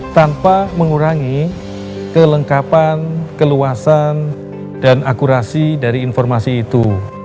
tanpa mengurangi kelengkapan keluasan dan akurasi dari informasi itu